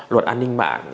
luật an ninh mạng